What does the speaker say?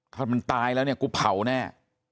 ถ้ามันตายแล้วเนี่ยกูเผาแน่